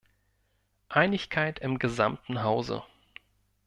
Einigkeit im gesamten Hause!